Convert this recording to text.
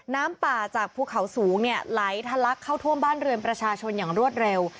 น้ำป่าจากภูเขาสูงเนี่ยไหลทะลักเข้าท่วมบ้านเรือนประชาชนอย่างรวดเร็ว